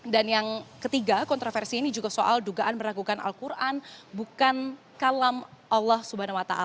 dan yang ketiga kontroversi ini juga soal dugaan beragukan al quran bukan kalam allah swt